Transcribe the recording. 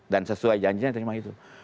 dan sesuai janjinya terima itu